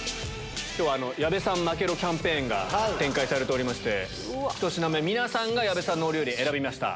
今日矢部さん負けろキャンペーン展開されておりまして１品目皆さんが矢部さんのお料理選びました。